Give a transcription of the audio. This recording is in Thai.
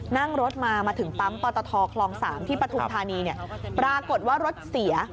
นั่งรถมามาถึงปั๊มปตทคลอง๓ที่ปฐุมธานีปรากฏว่ารถเสีย